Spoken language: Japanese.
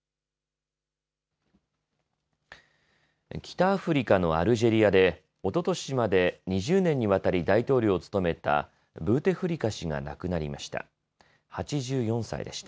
北アフリカのアルジェリアでおととしまで２０年にわたり大統領を務めたブーテフリカ氏が亡くなりました。